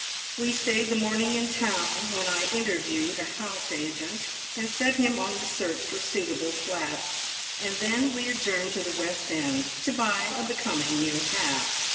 We stayed the morning in town, when I interviewed a house agent, and set him on the search for suitable flats, and then we adjourned to the West End to buy a becoming new hat.